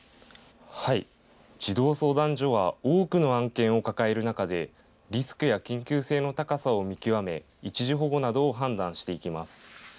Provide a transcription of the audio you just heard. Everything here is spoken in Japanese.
はい、児童相談所は多くの案件を抱える中でリスクや緊急性の高さを見極め一時保護などを判断していきます。